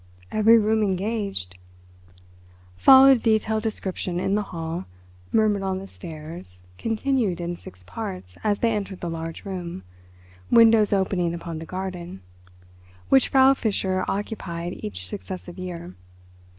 "Every room engaged." Followed a detailed description in the hall, murmured on the stairs, continued in six parts as they entered the large room (windows opening upon the garden) which Frau Fischer occupied each successive year.